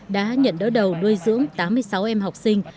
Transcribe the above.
đã nhận đỡ đầu nuôi dưỡng tám mươi sáu em học sinh